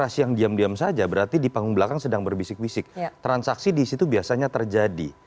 transaksi yang diam diam saja berarti di panggung belakang sedang berbisik bisik transaksi di situ biasanya terjadi